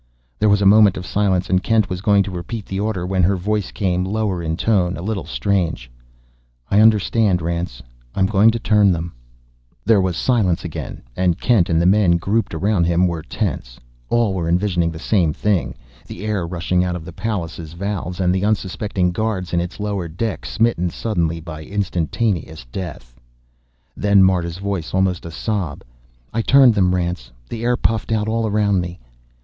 There was a moment of silence, and Kent was going to repeat the order when her voice came, lower in tone, a little strange: "I understand, Rance. I'm going to turn them." There was silence again, and Kent and the men grouped round him were tense. All were envisioning the same thing the air rushing out of the Pallas' valves, and the unsuspecting guards in its lower deck smitten suddenly by an instantaneous death. Then Marta's voice, almost a sob: "I turned them, Rance. The air puffed out all around me."